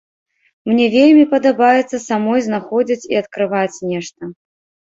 Мне вельмі падабаецца самой знаходзіць і адкрываць нешта.